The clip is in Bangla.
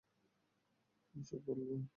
আমি সব বলব।